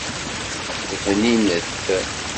Bninet.